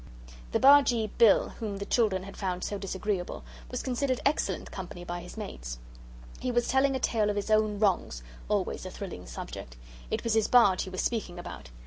The Bargee Bill, whom the children had found so disagreeable, was considered excellent company by his mates. He was telling a tale of his own wrongs always a thrilling subject. It was his barge he was speaking about.